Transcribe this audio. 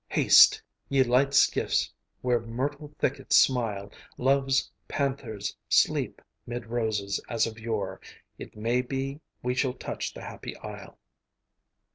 Haste, ye light skiffs, where myrtle thickets smile Love's panthers sleep 'mid roses, as of yore: "It may be we shall touch the happy isle."